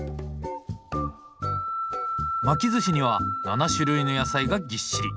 巻きずしには７種類の野菜がぎっしり。